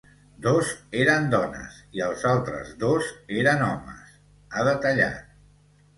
Dos eren dones i els altres dos eren homes, ha detallat.